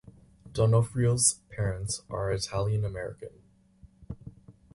Donofrio's parents are Italian-American.